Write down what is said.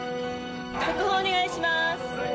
速報お願いします。